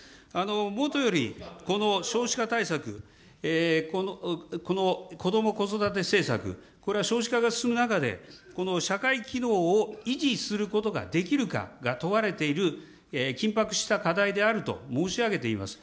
もとよりこの少子化対策、こども・子育て政策、これは少子化が進む中で、この社会機能を維持することができるかが問われている、緊迫した課題であると申し上げています。